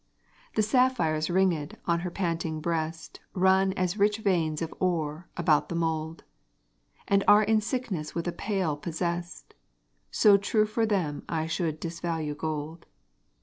The sapphires ringèd on her panting breast Run as rich veins of ore about the mold, And are in sickness with a pale possessed; So true for them I should disvalue gold.